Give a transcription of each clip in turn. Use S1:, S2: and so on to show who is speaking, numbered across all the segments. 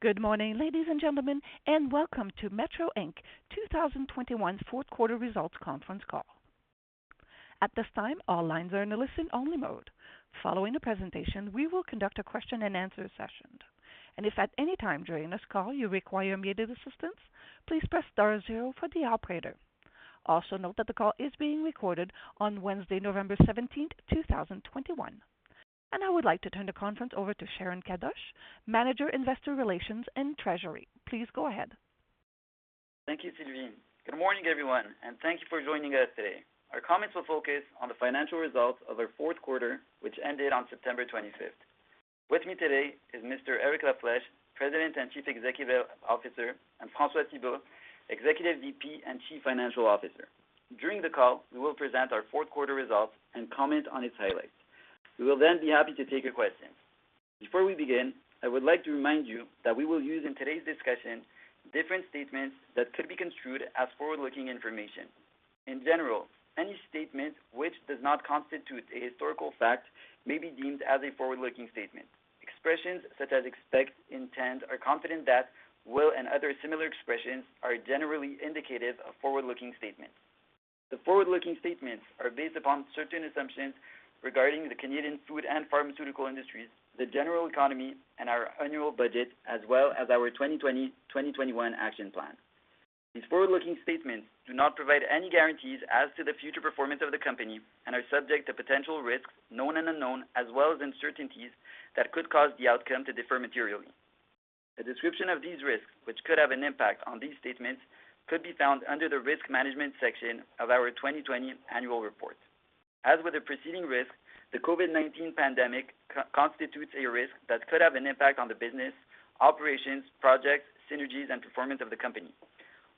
S1: Good morning, ladies and gentlemen, and welcome to Metro Inc. 2021 Q4 results conference call. At this time, all lines are in a listen-only mode. Following the presentation, we will conduct a question and answer session. If at any time during this call you require immediate assistance, please press star zero for the operator. Also note that the call is being recorded on Wednesday, November 17, 2021. I would like to turn the conference over to Sharon Kadoche, Manager, Investor Relations and Treasury. Please go ahead.
S2: Thank you, Sylvie. Good morning, everyone, and thank you for joining us today. Our comments will focus on the financial results of our fourth quarter, which ended on September 25. With me today is Mr. Eric La Flèche, President and Chief Executive Officer, and François Thibault, Executive VP and Chief Financial Officer. During the call, we will present our fourth quarter results and comment on its highlights. We will then be happy to take your questions. Before we begin, I would like to remind you that we will use in today's discussion different statements that could be construed as forward-looking information. In general, any statement which does not constitute a historical fact may be deemed as a forward-looking statement. Expressions such as expect, intent, or confident that, will and other similar expressions are generally indicative of forward-looking statements. The forward-looking statements are based upon certain assumptions regarding the Canadian food and pharmaceutical industries, the general economy, and our annual budget, as well as our 2020, 2021 action plan. These forward-looking statements do not provide any guarantees as to the future performance of the company and are subject to potential risks, known and unknown, as well as uncertainties that could cause the outcome to differ materially. A description of these risks, which could have an impact on these statements, could be found under the Risk Management section of our 2020 annual report. As with the preceding risk, the COVID-19 pandemic constitutes a risk that could have an impact on the business, operations, projects, synergies, and performance of the company.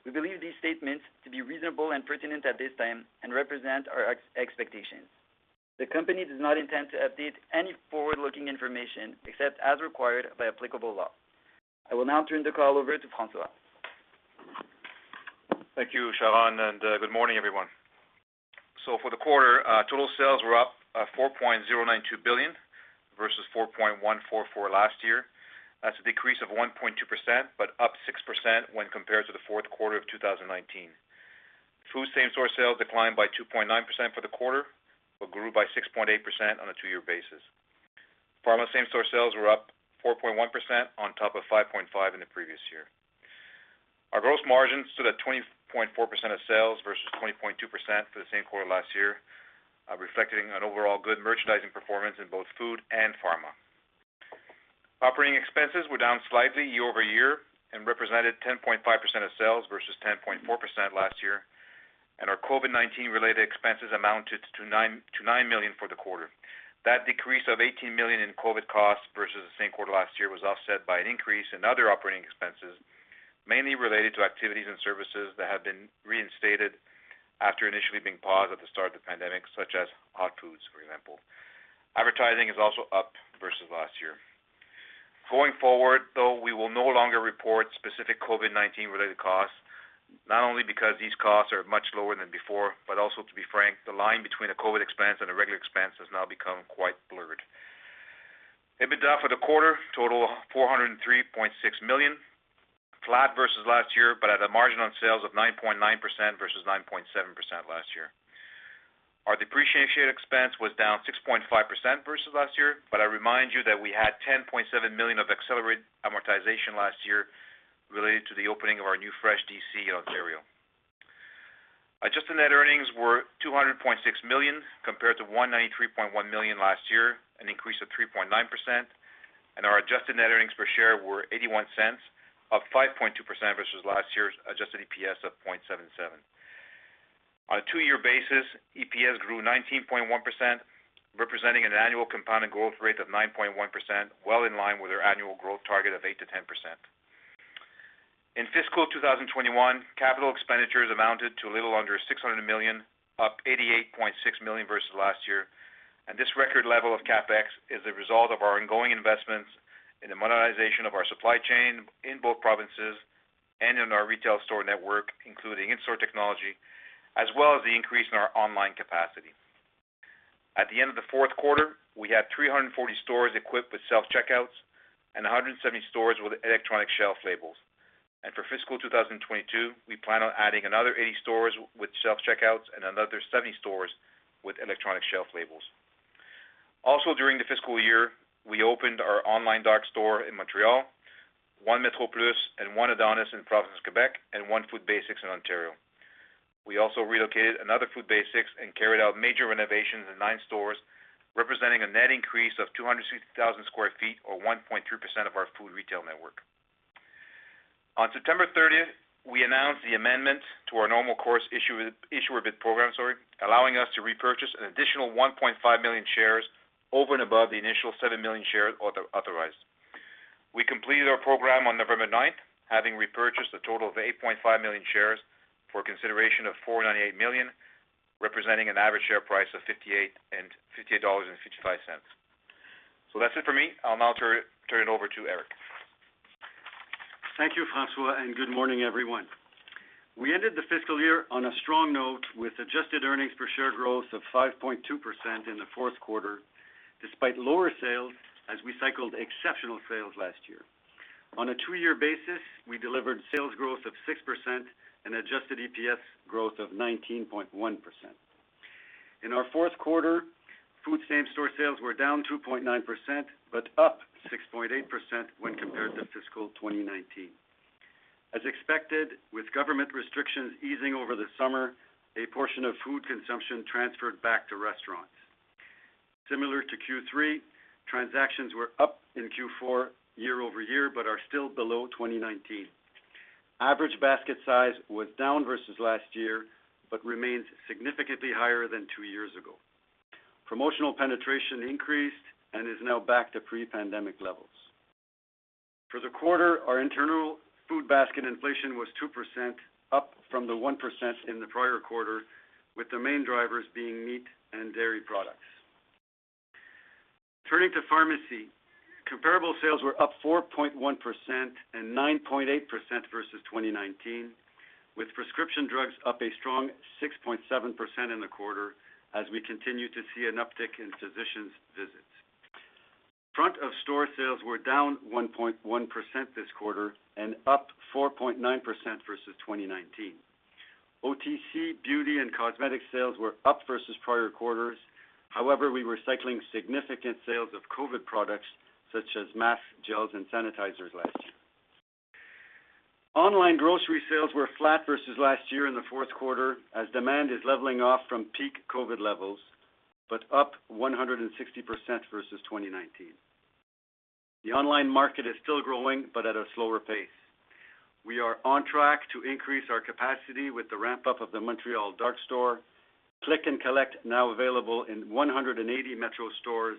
S2: We believe these statements to be reasonable and pertinent at this time and represent our expectations. The company does not intend to update any forward-looking information except as required by applicable law. I will now turn the call over to François.
S3: Thank you, Sharon, and good morning, everyone. For the quarter, total sales were up 4.092 billion versus 4.144 billion last year. That's a decrease of 1.2%, but up 6% when compared to the Q4 of 2019. Food same-store sales declined by 2.9% for the quarter, but grew by 6.8% on a two-year basis. Pharma same-store sales were up 4.1% on top of 5.5% in the previous year. Our gross margin stood at 20.4% of sales versus 20.2% for the same quarter last year, reflecting an overall good merchandising performance in both food and pharma. Operating expenses were down slightly year-over-year and represented 10.5% of sales versus 10.4% last year, and our COVID-19 related expenses amounted to 9 million for the quarter. That decrease of 18 million in COVID-19 costs versus the same quarter last year was offset by an increase in other operating expenses, mainly related to activities and services that have been reinstated after initially being paused at the start of the pandemic, such as hot foods, for example. Advertising is also up versus last year. Going forward, though, we will no longer report specific COVID-19 related costs, not only because these costs are much lower than before, but also, to be frank, the line between a COVID-19 expense and a regular expense has now become quite blurred. EBITDA for the quarter totaled CAD 403.6 million, flat versus last year, but at a margin on sales of 9.9% versus 9.7% last year. Our depreciation expense was down 6.5% versus last year, but I remind you that we had 10.7 million of accelerated amortization last year related to the opening of our new Fresh DC in Ontario. Adjusted net earnings were 200.6 million compared to 193.1 million last year, an increase of 3.9%, and our adjusted net earnings per share were 0.81, up 5.2% versus last year's adjusted EPS of 0.77. On a two-year basis, EPS grew 19.1%, representing an annual compounded growth rate of 9.1%, well in line with our annual growth target of 8%-10%. In fiscal 2021, capital expenditures amounted to a little under 600 million, up 88.6 million versus last year. This record level of CapEx is a result of our ongoing investments in the monetization of our supply chain in both provinces and in our retail store network, including in-store technology, as well as the increase in our online capacity. At the end of the Q4, we had 340 stores equipped with self-checkouts and 170 stores with electronic shelf labels. For fiscal 2022, we plan on adding another 80 stores with self-checkouts and another 70 stores with electronic shelf labels. Also, during the fiscal year, we opened our online dark store in Montreal, one Metro Plus, and one Adonis in province Quebec and one Food Basics in Ontario. We also relocated another Food Basics and carried out major renovations in nine stores, representing a net increase of 260,000 square feet or 1.3% of our food retail network. On September 30, we announced the amendments to our normal course issuer bid program, sorry, allowing us to repurchase an additional 1.5 million shares over and above the initial 7 million shares authorized. We completed our program on November ninth, having repurchased a total of 8.5 million shares for consideration of 498 million, representing an average share price of 58.55 dollars. That's it for me. I'll now turn it over to Eric.
S4: Thank you, François, and good morning, everyone. We ended the fiscal year on a strong note with adjusted earnings per share growth of 5.2% in the fourth quarter, despite lower sales as we cycled exceptional sales last year. On a two-year basis, we delivered sales growth of 6% and adjusted EPS growth of 19.1%. In our fourth quarter, food same-store sales were down 2.9%, but up 6.8% when compared to FY2019. As expected, with government restrictions easing over the summer, a portion of food consumption transferred back to restaurants. Similar to Q3, transactions were up in Q4 year-over-year but are still below 2019. Average basket size was down versus last year, but remains significantly higher than two years ago. Promotional penetration increased and is now back to pre-pandemic levels. For the quarter, our internal food basket inflation was 2%, up from the 1% in the prior quarter, with the main drivers being meat and dairy products. Turning to pharmacy, comparable sales were up 4.1% and 9.8% versus 2019, with prescription drugs up a strong 6.7% in the quarter as we continue to see an uptick in physicians' visits. Front of store sales were down 1.1% this quarter and up 4.9% versus 2019. OTC beauty and cosmetic sales were up versus prior quarters. However, we were cycling significant sales of COVID-19 products such as masks, gels, and sanitizers last year. Online grocery sales were flat versus last year in the fourth quarter as demand is leveling off from peak COVID-19 levels, but up 160% versus 2019. The online market is still growing, but at a slower pace. We are on track to increase our capacity with the ramp-up of the Montreal dark store. Click and collect now available in 180 Metro stores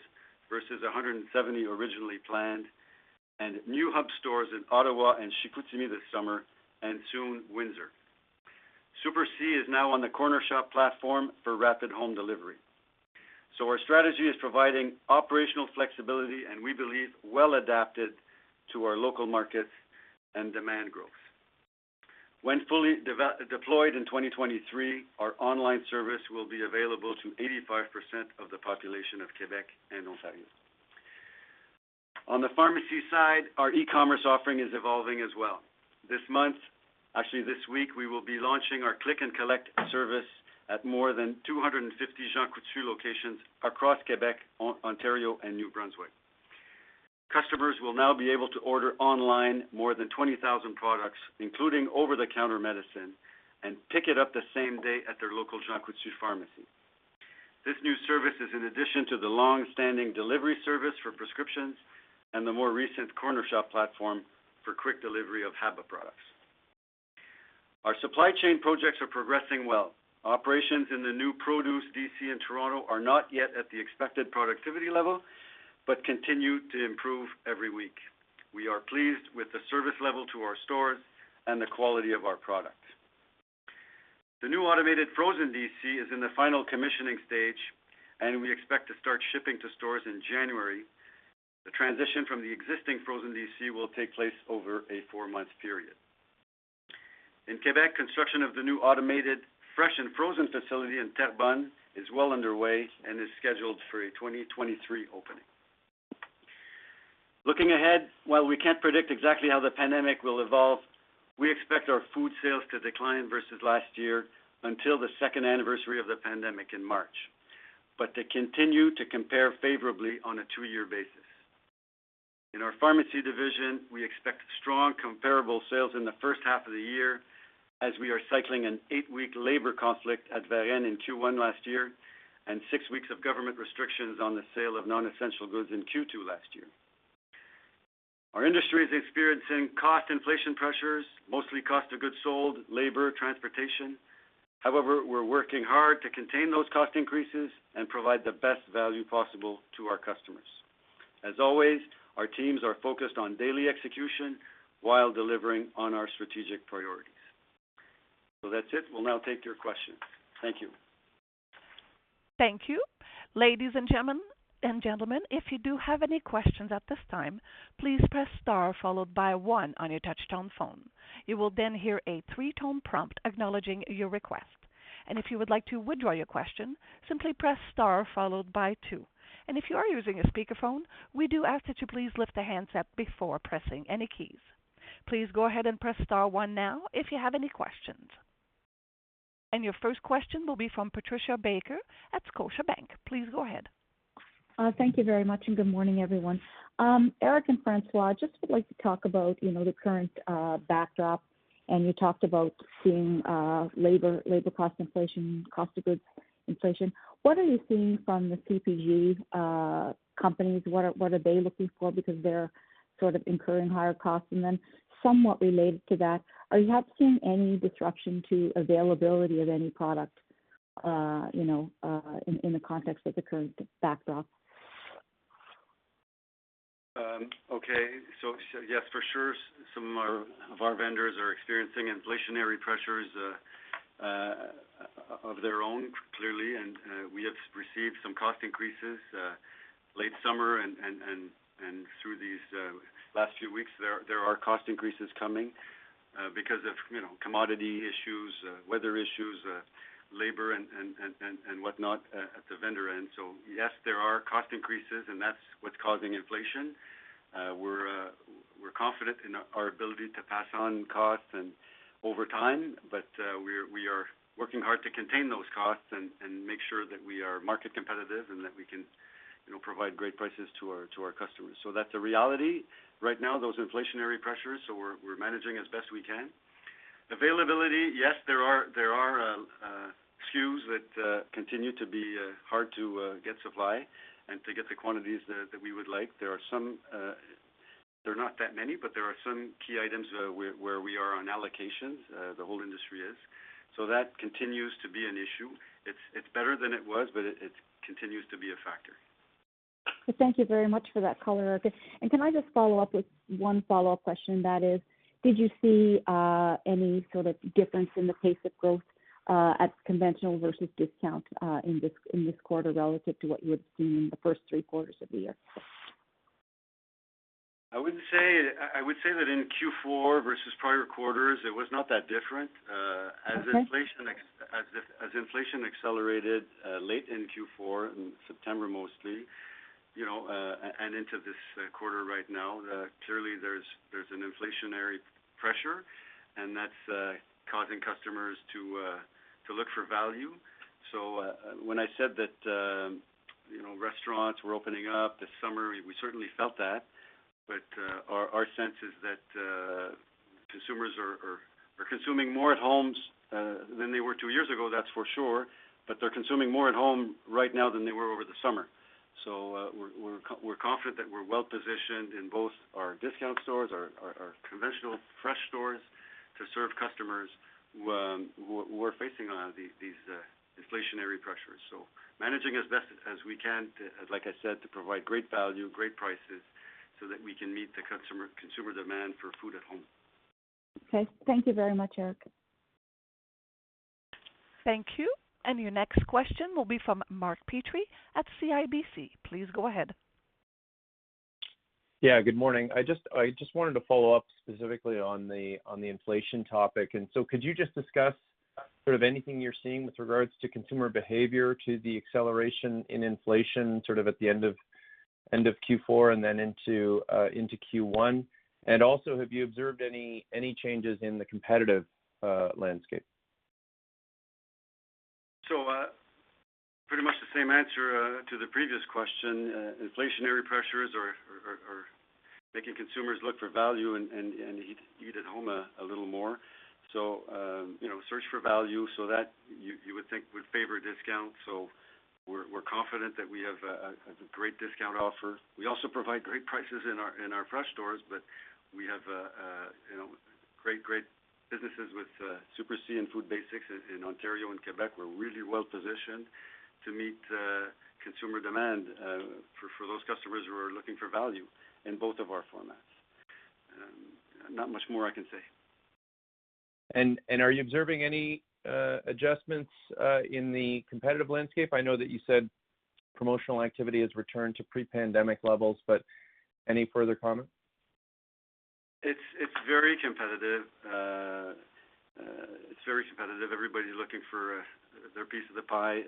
S4: versus 170 originally planned, and new hub stores in Ottawa and Chicoutimi this summer and soon Windsor. Super C is now on the Cornershop platform for rapid home delivery. Our strategy is providing operational flexibility and we believe well adapted to our local markets and demand growth. When fully deployed in 2023, our online service will be available to 85% of the population of Quebec and Ontario. On the pharmacy side, our e-commerce offering is evolving as well. This month, actually this week, we will be launching our click and collect service at more than 250 Jean Coutu locations across Quebec, Ontario and New Brunswick. Customers will now be able to order online more than 20,000 products, including over-the-counter medicine, and pick it up the same day at their local Jean Coutu pharmacy. This new service is in addition to the long-standing delivery service for prescriptions and the more recent Cornershop platform for quick delivery of HABA products. Our supply chain projects are progressing well. Operations in the new produce DC in Toronto are not yet at the expected productivity level, but continue to improve every week. We are pleased with the service level to our stores and the quality of our products. The new automated frozen DC is in the final commissioning stage, and we expect to start shipping to stores in January. The transition from the existing frozen DC will take place over a four-month period. In Quebec, construction of the new automated fresh and frozen facility in Terrebonne is well underway and is scheduled for a 2023 opening. Looking ahead, while we can't predict exactly how the pandemic will evolve, we expect our food sales to decline versus last year until the second anniversary of the pandemic in March, but to continue to compare favorably on a two-year basis. In our pharmacy division, we expect strong comparable sales in the first half of the year as we are cycling an eight-week labor conflict at Varennes in Q1 last year and six weeks of government restrictions on the sale of non-essential goods in Q2 last year. Our industry is experiencing cost inflation pressures, mostly cost of goods sold, labor, transportation. However, we're working hard to contain those cost increases and provide the best value possible to our customers. As always, our teams are focused on daily execution while delivering on our strategic priorities. That's it. We'll now take your questions. Thank you.
S1: Thank you. Ladies and gentlemen, if you do have any questions at this time, please press star followed by one on your touch-tone phone. You will then hear a three-tone prompt acknowledging your request. If you would like to withdraw your question, simply press star followed by two. If you are using a speakerphone, we do ask that you please lift the handset before pressing any keys. Please go ahead and press star one now if you have any questions. Your first question will be from Patricia Baker at Scotiabank. Please go ahead.
S5: Thank you very much and good morning, everyone. Eric and François, I just would like to talk about, you know, the current backdrop, and you talked about seeing labor cost inflation, cost of goods inflation. What are you seeing from the CPG companies? What are they looking for? Because they're sort of incurring higher costs. Then somewhat related to that, have you seen any disruption to availability of any product, you know, in the context of the current backdrop?
S4: Yes, for sure. Some of our vendors are experiencing inflationary pressures of their own clearly, and we have received some cost increases late summer and through these last few weeks. There are cost increases coming because of you know, commodity issues weather issues labor and whatnot at the vendor end. Yes, there are cost increases, and that's what's causing inflation. We're confident in our ability to pass on costs and over time, but we are working hard to contain those costs and make sure that we are market competitive and that we can you know, provide great prices to our customers. That's a reality right now, those inflationary pressures, we're managing as best we can. Availability, yes, there are SKUs that continue to be hard to get supply and to get the quantities that we would like. There are some, there are not that many, but there are some key items where we are on allocations, the whole industry is. That continues to be an issue. It's better than it was, but it continues to be a factor.
S5: Thank you very much for that color, Eric. Can I just follow up with one follow-up question that is, did you see any sort of difference in the pace of growth at conventional versus discount in this quarter relative to what you had seen in the first three quarters of the year?
S4: I would say that in Q4 versus prior quarters, it was not that different.
S5: Okay.
S4: As inflation accelerated late in Q4, in September mostly, you know, and into this quarter right now, clearly there's an inflationary pressure, and that's causing customers to look for value. When I said that, restaurants were opening up this summer, we certainly felt that. Our sense is that consumers are consuming more at homes than they were two years ago, that's for sure. They're consuming more at home right now than they were over the summer. We're confident that we're well positioned in both our discount stores, our conventional fresh stores to serve customers who are facing a lot of these inflationary pressures. managing as best as we can, like I said, to provide great value, great prices so that we can meet the customer-consumer demand for food at home.
S5: Okay. Thank you very much, Eric.
S1: Thank you. Your next question will be from Mark Petrie at CIBC. Please go ahead.
S6: Yeah, good morning. I just wanted to follow up specifically on the inflation topic. Could you just discuss sort of anything you're seeing with regards to consumer behavior to the acceleration in inflation, sort of at the end of Q4 and then into Q1? Also, have you observed any changes in the competitive landscape?
S4: Pretty much the same answer to the previous question. Inflationary pressures are making consumers look for value and eat at home a little more. You know, search for value so that you would think would favor discount. We're confident that we have a great discount offer. We also provide great prices in our fresh stores, but we have you know, great businesses with Super C and Food Basics in Ontario and Quebec. We're really well-positioned to meet consumer demand for those customers who are looking for value in both of our formats. Not much more I can say.
S6: Are you observing any adjustments in the competitive landscape? I know that you said promotional activity has returned to pre-pandemic levels, but any further comment?
S4: It's very competitive. Everybody's looking for their piece of the pie,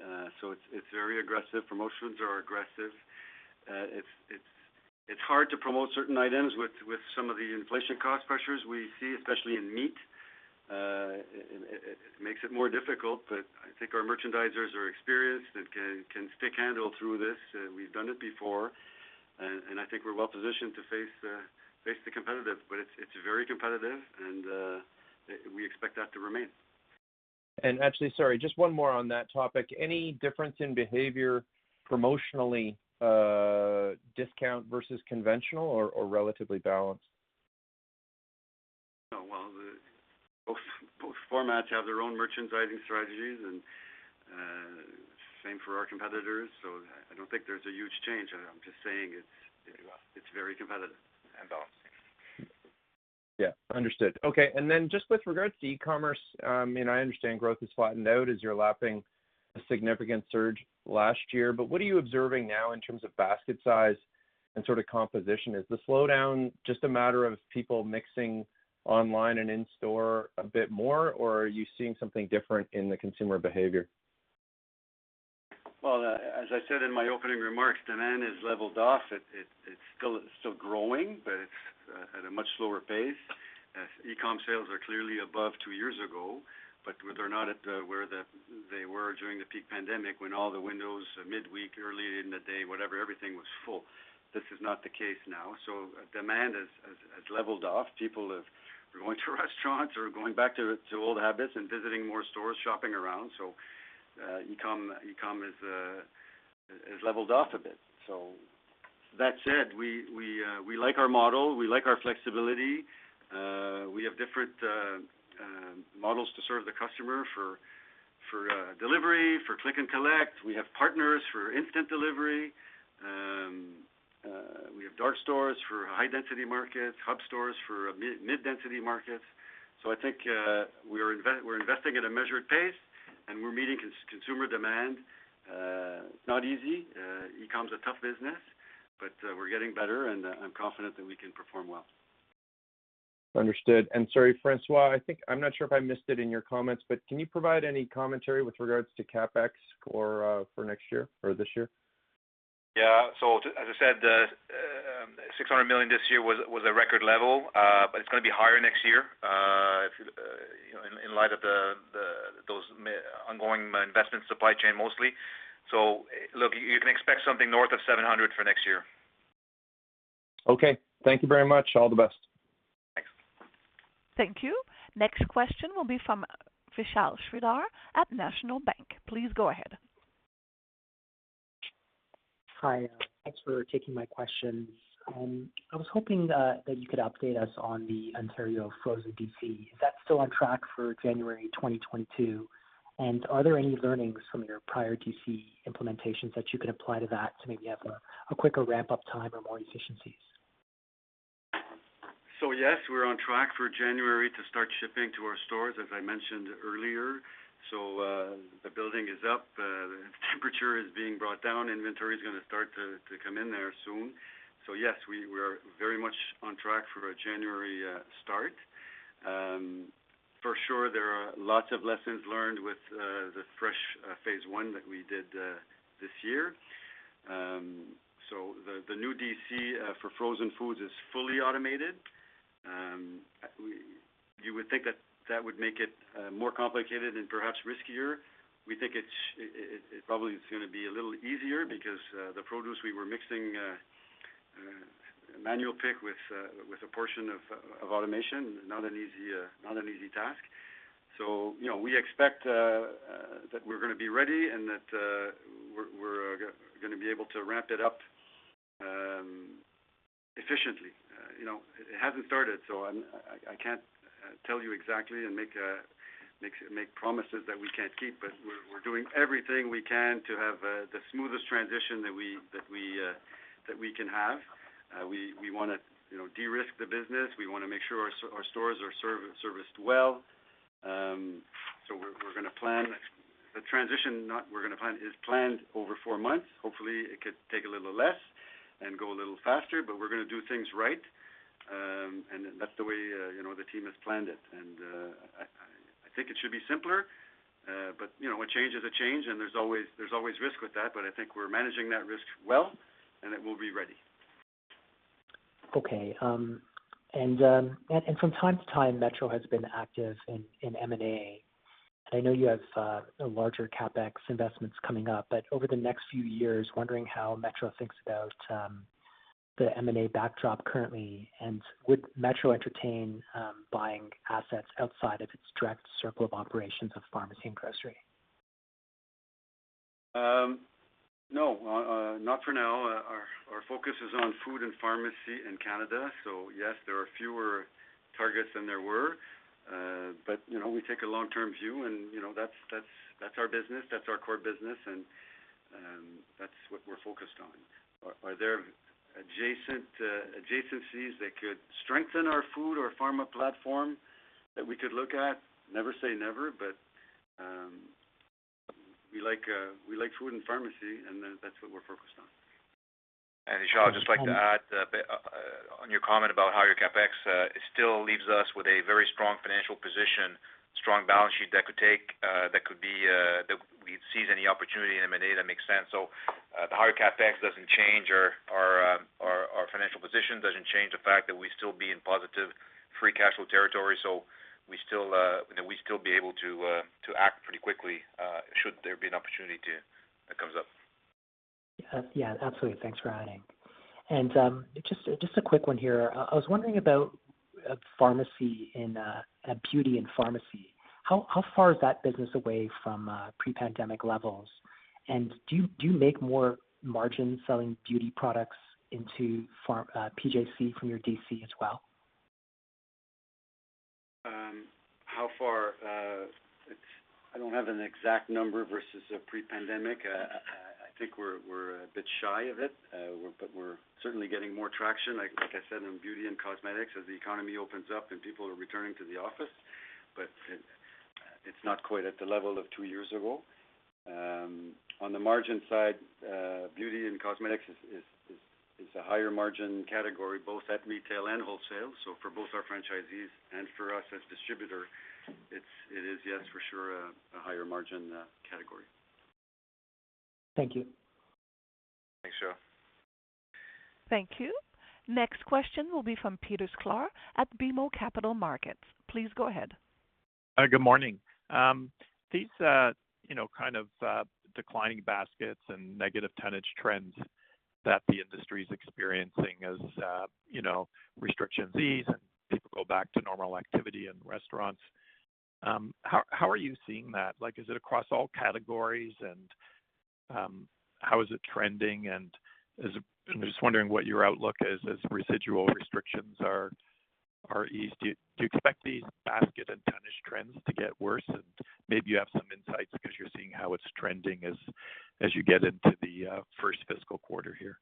S4: so it's very aggressive. Promotions are aggressive. It's hard to promote certain items with some of the inflation cost pressures we see, especially in meat. It makes it more difficult, but I think our merchandisers are experienced and can stickhandle through this. We've done it before, and I think we're well positioned to face the competition. But it's very competitive and we expect that to remain.
S6: Actually, sorry, just one more on that topic. Any difference in behavior promotionally, discount versus conventional or relatively balanced?
S4: Well, both formats have their own merchandising strategies and same for our competitors, so I don't think there's a huge change. I'm just saying it's very competitive and balanced.
S6: Yeah, understood. Okay. Just with regards to e-commerce, I mean, I understand growth has flattened out as you're lapping a significant surge last year. What are you observing now in terms of basket size and sort of composition? Is the slowdown just a matter of people mixing online and in-store a bit more, or are you seeing something different in the consumer behavior?
S4: Well, as I said in my opening remarks, demand has leveled off. It's still growing, but it's at a much slower pace. E-com sales are clearly above two years ago, but they're not at where they were during the peak pandemic when all the windows midweek, early in the day, whatever, everything was full. This is not the case now. Demand has leveled off. People are going to restaurants or going back to old habits and visiting more stores, shopping around. E-com has leveled off a bit. That said, we like our model, we like our flexibility. We have different models to serve the customer for delivery, for click and collect, we have partners for instant delivery. We have dark stores for high-density markets, hub stores for mid-density markets. I think we're investing at a measured pace, and we're meeting consumer demand. It's not easy. E-com's a tough business, but we're getting better, and I'm confident that we can perform well.
S6: Understood. Sorry, François, I think I'm not sure if I missed it in your comments, but can you provide any commentary with regards to CapEx for next year or this year?
S3: As I said, 600 million this year was a record level, but it's gonna be higher next year, you know, in light of those ongoing investments, supply chain mostly. Look, you can expect something north of 700 for next year.
S6: Okay. Thank you very much. All the best.
S3: Thanks.
S1: Thank you. Next question will be from Vishal Shreedhar at National Bank. Please go ahead.
S7: Hi. Thanks for taking my questions. I was hoping that you could update us on the Ontario frozen DC. Is that still on track for January 2022, and are there any learnings from your prior DC implementations that you can apply to that to maybe have a quicker ramp-up time or more efficiencies?
S4: Yes, we're on track for January to start shipping to our stores, as I mentioned earlier. The building is up, the temperature is being brought down. Inventory is gonna start to come in there soon. We are very much on track for a January start. For sure, there are lots of lessons learned with the fresh phase one that we did this year. The new DC for frozen foods is fully automated. You would think that that would make it more complicated and perhaps riskier. We think it probably is gonna be a little easier because the produce we were mixing manual pick with a portion of automation, not an easy task. You know, we expect that we're gonna be ready and that we're gonna be able to ramp it up efficiently. You know, it hasn't started, so I can't tell you exactly and make promises that we can't keep, but we're doing everything we can to have the smoothest transition that we can have. We wanna de-risk the business. We wanna make sure our stores are serviced well. We're gonna plan the transition. It is planned over four months. Hopefully, it could take a little less and go a little faster, but we're gonna do things right, and that's the way you know, the team has planned it. I think it should be simpler, but you know, a change is a change, and there's always risk with that, but I think we're managing that risk well, and it will be ready.
S7: Okay. From time to time, Metro has been active in M&A. I know you have larger CapEx investments coming up, but over the next few years, wondering how Metro thinks about the M&A backdrop currently, and would Metro entertain buying assets outside of its direct circle of operations of pharmacy and grocery?
S4: No, not for now. Our focus is on food and pharmacy in Canada. Yes, there are fewer targets than there were, but you know, we take a long-term view, and you know, that's our business, that's our core business, and that's what we're focused on. Are there adjacent adjacencies that could strengthen our food or pharma platform that we could look at? Never say never, but we like food and pharmacy, and that's what we're focused on.
S3: Vishal, I'd just like to add a bit on your comment about higher CapEx. It still leaves us with a very strong financial position, strong balance sheet that we'd seize any opportunity in M&A that makes sense. The higher CapEx doesn't change our financial position. Doesn't change the fact that we still be in positive free cash flow territory. We still, you know, we'd still be able to act pretty quickly should there be an opportunity that comes up.
S7: Yeah, absolutely. Thanks for adding. Just a quick one here. I was wondering about pharmacy and beauty and pharmacy. How far is that business away from pre-pandemic levels? Do you make more margin selling beauty products into PJC from your DC as well?
S4: How far? I don't have an exact number versus pre-pandemic. I think we're a bit shy of it. But we're certainly getting more traction, like I said, in beauty and cosmetics as the economy opens up and people are returning to the office. But it's not quite at the level of two years ago. On the margin side, beauty and cosmetics is a higher margin category, both at retail and wholesale. So for both our franchisees and for us as distributor, it's yes, for sure, a higher margin category.
S7: Thank you.
S3: Thanks, Vishal.
S1: Thank you. Next question will be from Peter Sklar at BMO Capital Markets. Please go ahead.
S8: Good morning. These, you know, kind of declining baskets and negative tonnage trends that the industry is experiencing as, you know, restrictions ease and people go back to normal activity in restaurants, how are you seeing that? Like, is it across all categories? How is it trending and is it? I'm just wondering what your outlook is as residual restrictions are eased. Do you expect these basket and tonnage trends to get worse? Maybe you have some insights because you're seeing how it's trending as you get into the first fiscal quarter here.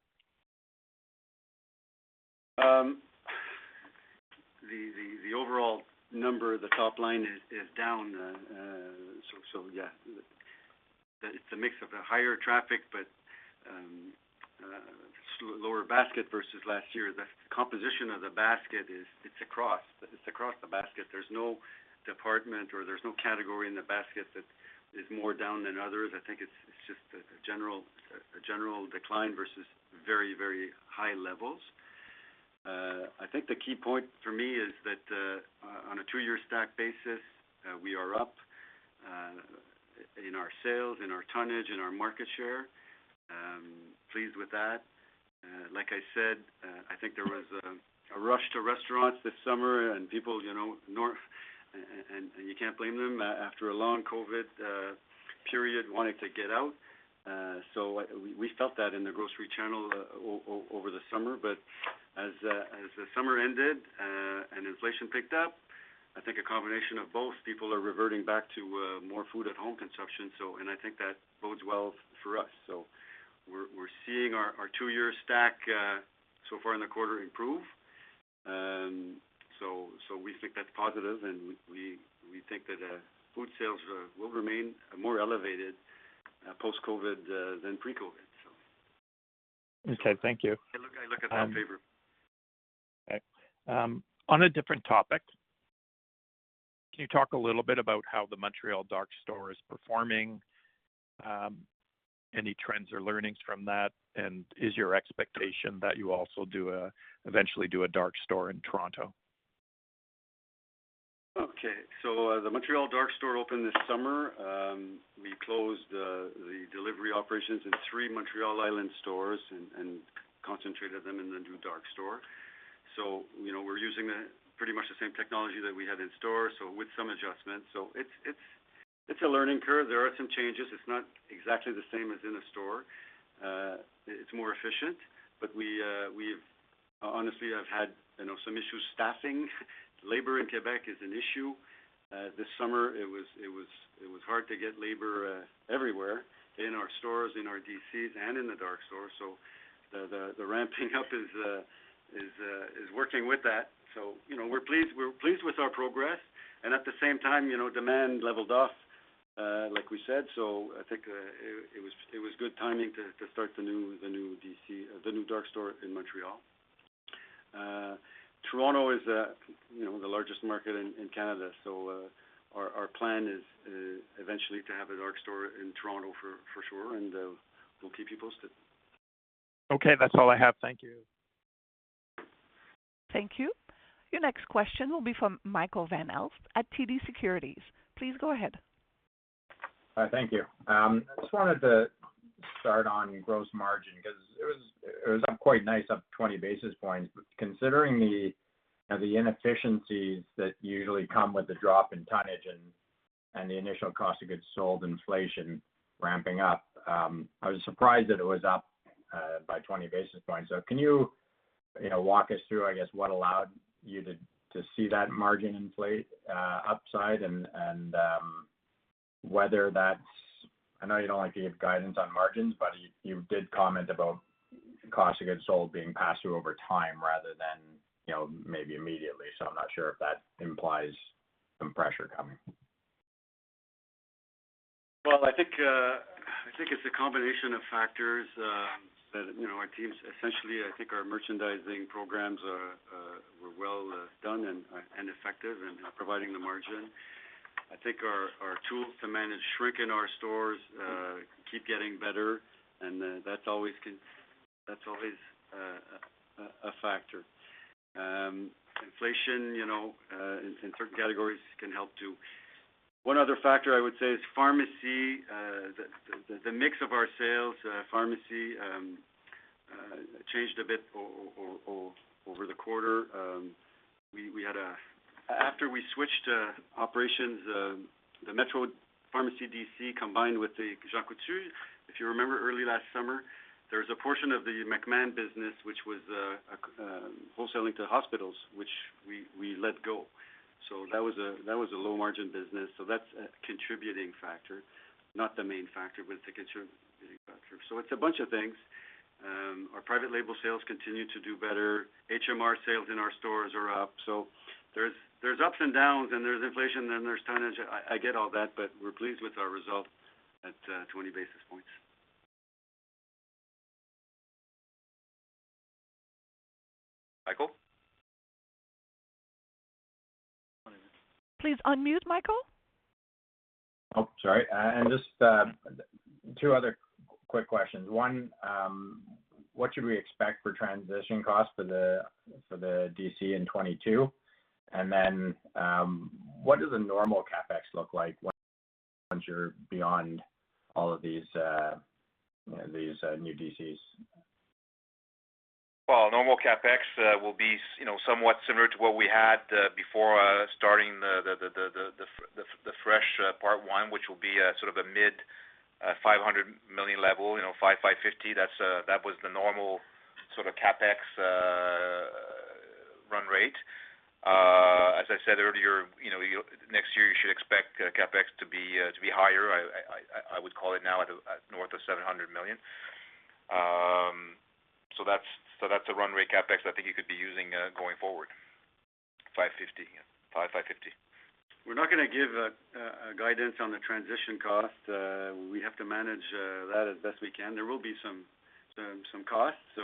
S4: The overall number, the top line is down. Yeah. It's a mix of higher traffic, but lower basket versus last year. The composition of the basket is it's across the basket. There's no department or category in the basket that is more down than others. I think it's just a general decline versus very high levels. I think the key point for me is that on a two-year stack basis we are up in our sales, in our tonnage and our market share. Pleased with that. Like I said, I think there was a rush to restaurants this summer and people, you know, and you can't blame them after a long COVID-19 period wanting to get out. We felt that in the grocery channel over the summer. As the summer ended, and inflation picked up, I think a combination of both people are reverting back to more food at home consumption, and I think that bodes well for us. We're seeing our two-year stack so far in the quarter improve. We think that's positive, and we think that food sales will remain more elevated post-COVID than pre-COVID.
S8: Okay, thank you.
S4: I look at it in our favor.
S8: Okay. On a different topic, can you talk a little bit about how the Montreal dark store is performing? Any trends or learnings from that, and is your expectation that you also eventually do a dark store in Toronto?
S4: Okay. The Montreal dark store opened this summer. We closed the delivery operations in three Montreal Island stores and concentrated them in the new dark store. You know, we're using pretty much the same technology that we had in store, so with some adjustments. It's a learning curve. There are some changes. It's not exactly the same as in a store. It's more efficient. We've honestly have had you know, some issues staffing. Labor in Quebec is an issue. This summer, it was hard to get labor everywhere in our stores, in our DCs, and in the dark store. The ramping up is working with that. You know, we're pleased with our progress. At the same time, you know, demand leveled off, like we said. I think it was good timing to start the new DC, the new dark store in Montreal. Toronto is, you know, the largest market in Canada. Our plan is eventually to have a dark store in Toronto for sure, and we'll keep you posted.
S8: Okay, that's all I have. Thank you.
S1: Thank you. Your next question will be from Michael Van Aelst at TD Securities. Please go ahead.
S9: Hi. Thank you. I just wanted to start on gross margin because it was up quite nice, up 20 basis points. Considering the inefficiencies that usually come with the drop in tonnage and the initial cost of goods sold inflation ramping up, I was surprised that it was up by 20 basis points. Can you know, walk us through, I guess, what allowed you to see that margin inflate upside and whether that's—I know you don't like to give guidance on margins, but you did comment about cost of goods sold being passed through over time rather than, you know, maybe immediately. I'm not sure if that implies some pressure coming.
S4: Well, I think it's a combination of factors. Essentially, I think our merchandising programs were well done and effective in providing the margin. I think our tools to manage shrink in our stores keep getting better, and that's always a factor. Inflation, you know, in certain categories can help too. One other factor I would say is pharmacy. The mix of our sales pharmacy changed a bit over the quarter. After we switched operations, the Metro Pharmacy DC combined with the Jean Coutu. If you remember early last summer, there was a portion of the McMahon business, which was wholesaling to hospitals, which we let go. That was a low-margin business. That's a contributing factor, not the main factor, but it's a contributing factor. It's a bunch of things. Our private label sales continue to do better. HMR sales in our stores are up. There's ups and downs, and there's inflation, then there's tonnage. I get all that, but we're pleased with our result at 20 basis points.
S9: Michael?
S1: Please unmute, Michael.
S9: Oh, sorry. Just two other quick questions. One, what should we expect for transition costs for the DC in 2022? Then, what does a normal CapEx look like once you're beyond all of these new DCs?
S3: Well, normal CapEx will be, you know, somewhat similar to what we had before starting the fresh part one, which will be a sort of a mid 500 million level, you know, 550 million. That was the normal sort of CapEx run rate. As I said earlier, you know, next year you should expect CapEx to be higher. I would call it now at north of 700 million. So that's a runway CapEx I think you could be using going forward, 550 million.
S4: We're not gonna give guidance on the transition cost. We have to manage that as best we can. There will be some costs.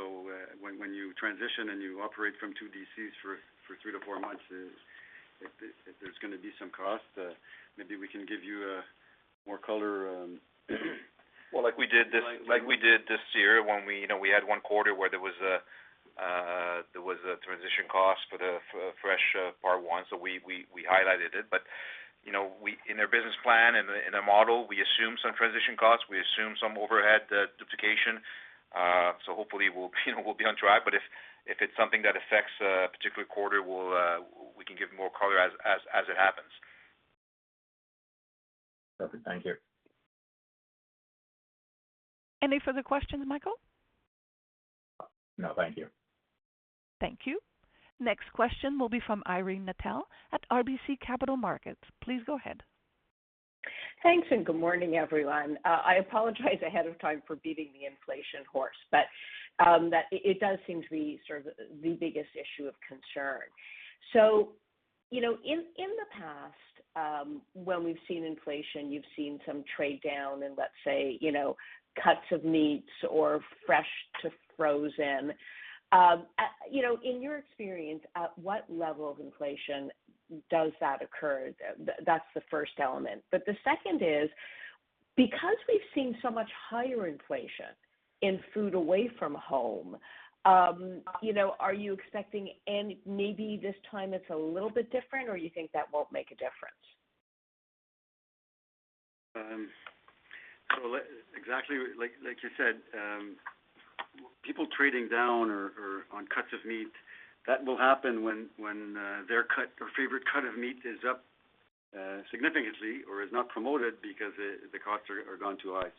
S4: When you transition and you operate from two DCs for three to four months, there's gonna be some costs. Maybe we can give you more color.
S3: Well, like we did this year when we, you know, had one quarter where there was a transition cost for the fresh part one. We highlighted it. You know, in our business plan and in our model, we assume some transition costs, we assume some overhead duplication. Hopefully we'll, you know, be on track. If it's something that affects a particular quarter, we can give more color as it happens.
S9: Perfect. Thank you.
S1: Any further questions, Michael?
S9: No, thank you.
S1: Thank you. Next question will be from Irene Nattel at RBC Capital Markets. Please go ahead.
S10: Thanks, and good morning, everyone. I apologize ahead of time for beating the inflation horse, but that it does seem to be sort of the biggest issue of concern. You know, in the past, when we've seen inflation, you've seen some trade down and let's say, you know, cuts of meats or fresh to frozen. You know, in your experience, at what level of inflation does that occur? That's the first element. The second is because we've seen so much higher inflation in food away from home, you know, are you expecting any, maybe this time it's a little bit different, or you think that won't make a difference?
S4: Exactly like you said, people trading down or on cuts of meat, that will happen when their cut or favorite cut of meat is up significantly or is not promoted because the costs are gone too high.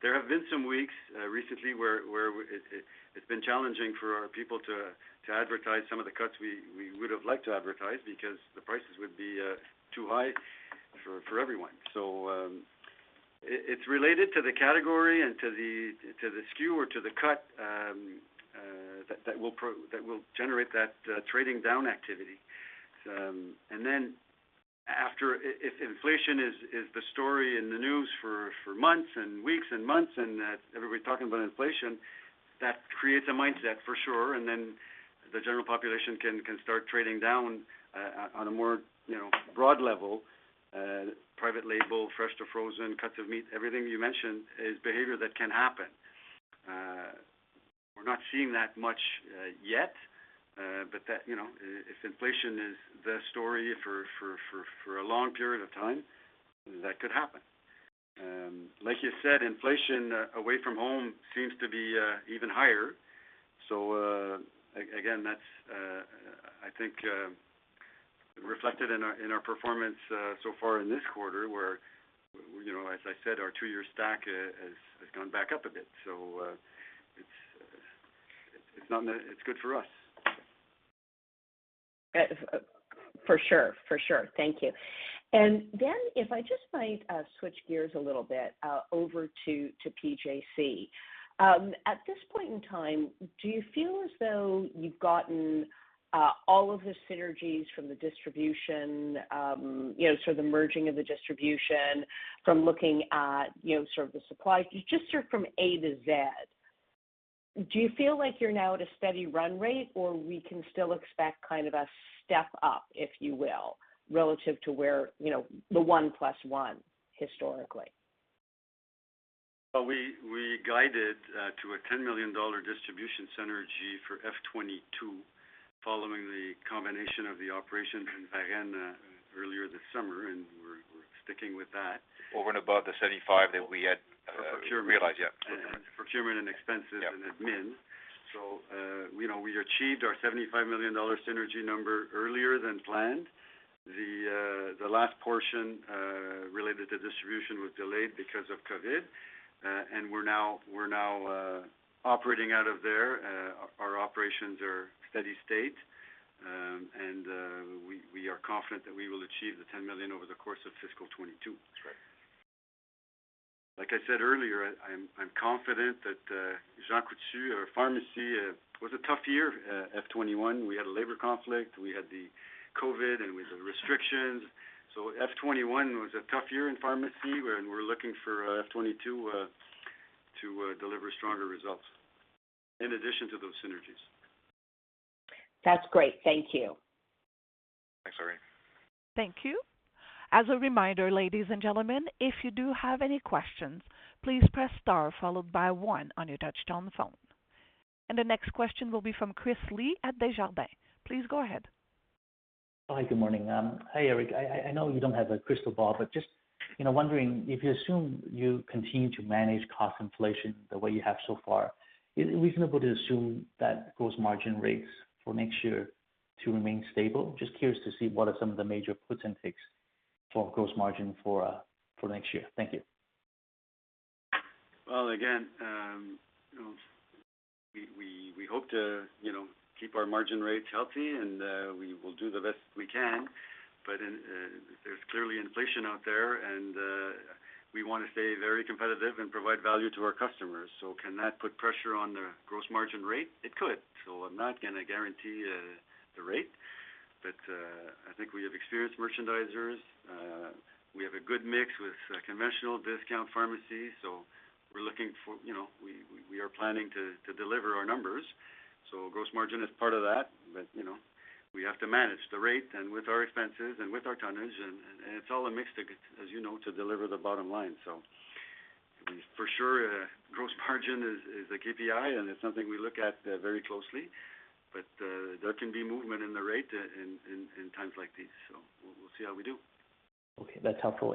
S4: There have been some weeks recently where it's been challenging for our people to advertise some of the cuts we would have liked to advertise because the prices would be too high for everyone. It's related to the category and to the SKU or to the cut that will generate that trading down activity. After if inflation is the story in the news for months and weeks and months, and everybody's talking about inflation, that creates a mindset for sure, and then the general population can start trading down on a more, you know, broad level. Private label, fresh to frozen, cuts of meat, everything you mentioned is behavior that can happen. We're not seeing that much yet, but that, you know, if inflation is the story for a long period of time, that could happen. Like you said, inflation away from home seems to be even higher. Again, that's, I think, reflected in our performance so far in this quarter, where, you know, as I said, our two-year stack has gone back up a bit. It's good for us.
S10: For sure. Thank you. If I just might switch gears a little bit over to PJC. At this point in time, do you feel as though you've gotten all of the synergies from the distribution, you know, sort of the merging of the distribution from looking at, you know, sort of the supplies. Just sort from A to Z. Do you feel like you're now at a steady run rate or we can still expect kind of a step up, if you will, relative to where, you know, the one plus one historically?
S4: Well, we guided to a 10 million dollar DC CapEx for FY2022, following the combination of the operations in Varennes earlier this summer, and we're sticking with that.
S3: Over and above the 75 that we had,
S4: For procurement.
S3: Realized, yeah.
S4: For procurement and expenses.
S3: Yeah
S4: SG&A. We achieved our 75 million dollar synergy number earlier than planned. The last portion related to distribution was delayed because of COVID-19. We're now operating out of there. Our operations are steady-state, and we are confident that we will achieve the 10 million over the course of FY2022.
S3: That's right.
S4: Like I said earlier, I'm confident that Jean Coutu, our pharmacy, was a tough year, FY2021. We had a labor conflict, we had COVID-19, and we had the restrictions. FY2021 was a tough year in pharmacy, and we're looking for FY2022 to deliver stronger results in addition to those synergies.
S10: That's great. Thank you.
S3: Thanks, Irene.
S1: Thank you. As a reminder, ladies and gentlemen, if you do have any questions, please press star followed by 1 on your touchtone phone. The next question will be from Chris Li at Desjardins. Please go ahead.
S11: Hi, good morning. Hi, Eric. I know you don't have a crystal ball, but just, you know, wondering if you assume you continue to manage cost inflation the way you have so far, is it reasonable to assume that gross margin rates for next year to remain stable? Just curious to see what are some of the major puts and takes for gross margin for next year. Thank you.
S4: Well, again, you know, we hope to, you know, keep our margin rates healthy, and we will do the best we can. There's clearly inflation out there, and we wanna stay very competitive and provide value to our customers. Can that put pressure on the gross margin rate? It could. I'm not gonna guarantee the rate. I think we have experienced merchandisers. We have a good mix with conventional discount pharmacy, so we're looking for, you know, we are planning to deliver our numbers. Gross margin is part of that. You know, we have to manage the rate and with our expenses and with our tonnage, and it's all a mix together as you know, to deliver the bottom line. For sure, gross margin is a KPI, and it's something we look at very closely. There can be movement in the rate in times like these, so we'll see how we do.
S11: Okay, that's helpful.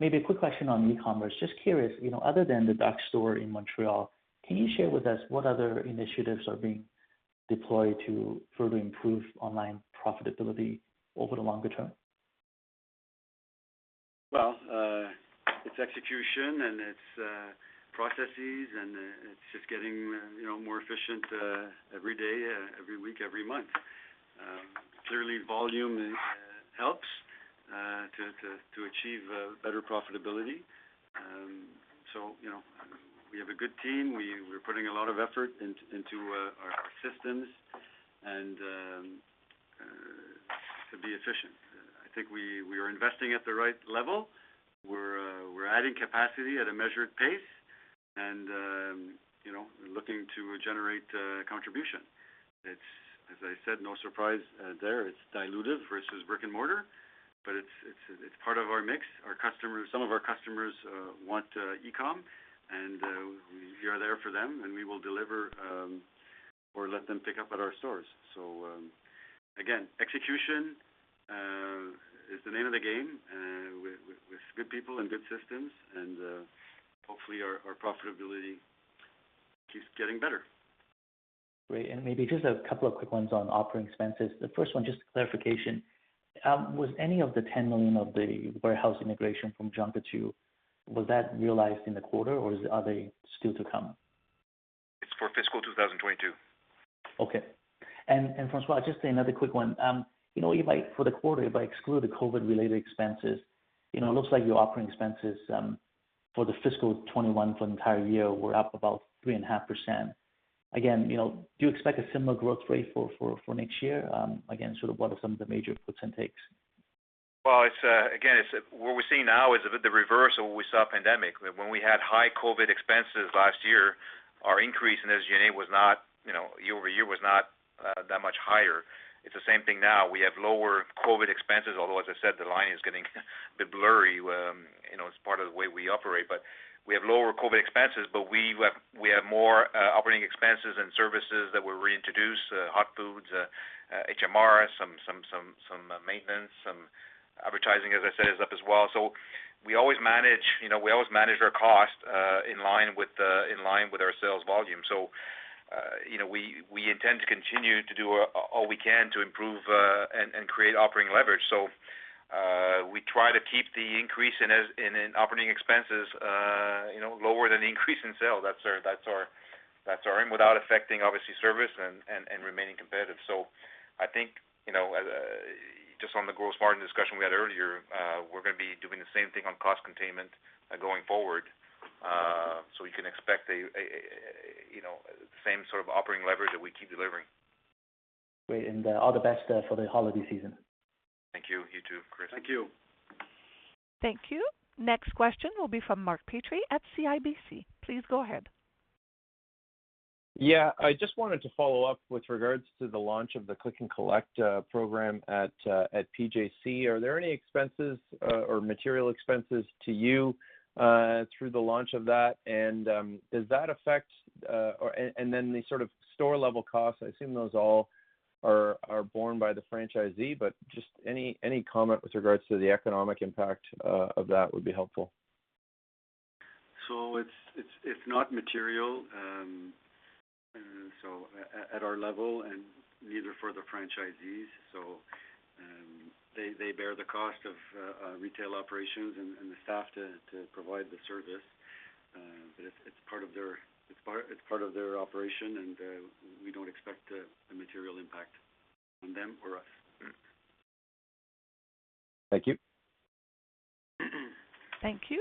S11: Maybe a quick question on e-commerce. Just curious, you know, other than the dark store in Montreal, can you share with us what other initiatives are being deployed to further improve online profitability over the longer term?
S4: Well, it's execution, and it's processes, and it's just getting, you know, more efficient every day, every week, every month. Clearly volume helps to achieve better profitability. You know, we have a good team. We're putting a lot of effort into our systems and to be efficient. I think we are investing at the right level. We're adding capacity at a measured pace, and you know, we're looking to generate contribution. It's, as I said, no surprise there. It's dilutive versus brick-and-mortar, but it's part of our mix. Our customers. Some of our customers want e-com, and we are there for them, and we will deliver or let them pick up at our stores. Again, execution is the name of the game with good people and good systems, and hopefully our profitability keeps getting better.
S11: Great. Maybe just a couple of quick ones on operating expenses. The first one, just clarification. Was any of the 10 million of the warehouse integration from Jonquière realized in the quarter, or are they still to come?
S3: It's for FY2022.
S11: Okay. François, just another quick one. You know, for the quarter, if I exclude the COVID-related expenses, you know, it looks like your operating expenses for the fiscal 2021 for the entire year were up about 3.5%. Again, you know, do you expect a similar growth rate for next year? Again, sort of what are some of the major puts and takes?
S3: Well, again, what we're seeing now is the reverse of what we saw in the pandemic. When we had high COVID-19 expenses last year, our increase in SG&A was not, you know, year-over-year was not that much higher. It's the same thing now. We have lower COVID-19 expenses, although, as I said, the line is getting a bit blurry, you know, as part of the way we operate. We have lower COVID-19 expenses, but we have more operating expenses and services that were reintroduced, hot foods, HMR, some maintenance, some advertising, as I said, is up as well. We always manage, you know, our cost in line with our sales volume. You know, we intend to continue to do all we can to improve and create operating leverage. We try to keep the increase in operating expenses, you know, lower than the increase in sales. That's our aim, without affecting, obviously, service and remaining competitive. I think, you know, just on the gross margin discussion we had earlier, we're gonna be doing the same thing on cost containment, going forward. We can expect, you know, the same sort of operating leverage that we keep delivering.
S11: Great. All the best for the holiday season.
S3: Thank you. You too, Chris.
S4: Thank you.
S1: Thank you. Next question will be from Mark Petrie at CIBC. Please go ahead.
S6: Yeah. I just wanted to follow up with regards to the launch of the Click and Collect program at PJC. Are there any expenses or material expenses to you through the launch of that? Does that affect and then the sort of store-level costs? I assume those all are borne by the franchisee, but just any comment with regards to the economic impact of that would be helpful.
S4: It's not material at our level, and neither for the franchisees. They bear the cost of retail operations and the staff to provide the service. It's part of their operation, and we don't expect a material impact on them or us.
S6: Thank you.
S1: Thank you.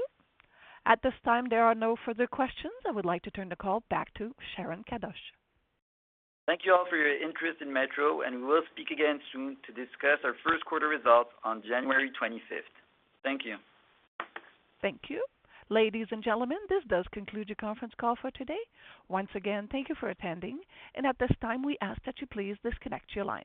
S1: At this time, there are no further questions. I would like to turn the call back to Sharon Kadoche.
S2: Thank you all for your interest in Metro, and we will speak again soon to discuss our Q1 results on January 20. Thank you.
S1: Thank you. Ladies and gentlemen, this does conclude your conference call for today. Once again, thank you for attending, and at this time, we ask that you please disconnect your line.